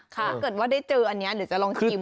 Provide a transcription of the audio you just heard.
ถ้าเกิดว่าได้เจออันนี้เดี๋ยวจะลองชิม